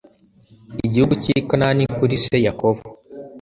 igihugu cy i kanani kuri se yakobo